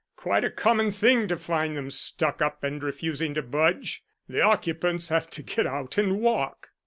Quite a common thing to find them stuck up and refusing to budge. The occupants have to get out and walk."